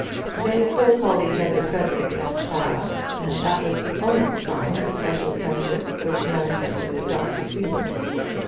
They still called each other Frederic and Clara, and that was the only sign of special friendship which manifested itself between them.